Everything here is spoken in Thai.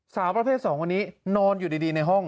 สาวประเภท๒คนนี้นอนอยู่ดีในห้อง